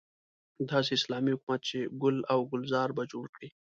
داسې اسلامي حکومت چې ګل او ګلزار به جوړ کړي.